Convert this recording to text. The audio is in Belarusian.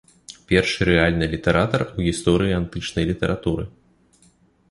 Першы рэальны літаратар у гісторыі антычнай літаратуры.